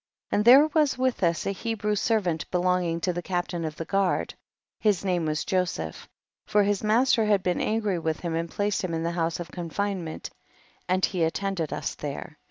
33. And there was with us a He brew servant belonging to the cap tain of the guard, his name was Jo seph, for his master had been angry with him and placed him in the house of confinement, and he attended us there.